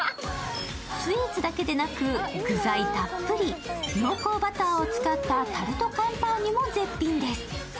スイーツだけでなく具材たっぷり濃厚バターを使ったタルトカンパーニュも絶品です。